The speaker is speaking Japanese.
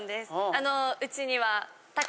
あのうちには。